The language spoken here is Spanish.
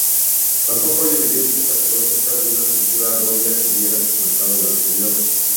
Tampoco hay evidencias arqueológicas de una cultura doria que hubiera suplantado la anterior.